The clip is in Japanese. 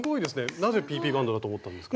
なぜＰＰバンドだと思ったんですか？